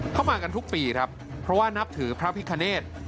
มากันทุกปีครับเพราะว่านับถือพระพิคเนธ